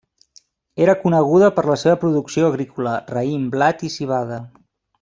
Era coneguda per la seva producció agrícola: raïm, blat i civada.